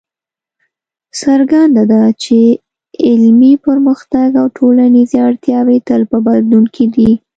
څرګنده ده چې علمي پرمختګ او ټولنیزې اړتیاوې تل په بدلون کې دي.